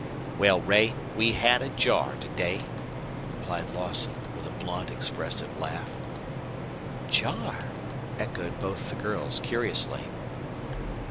"Well, Ray, we had a jar to day," replied Lawson, with a blunt, expressive laugh. "Jar?" echoed both the girls, curiously.